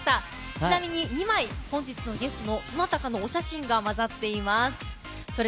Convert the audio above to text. ちなみに２枚本日のゲストのどなたかの写真が混じっています。